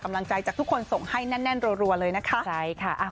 กำลังใจจากทุกคนส่งให้แน่นรัวเลยนะคะใช่ค่ะ